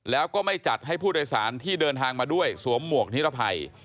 แล้วก็ไม่จัดให้ผู้โดยสารที่เดินทางมาด้วยสวมหมวกนิรภัย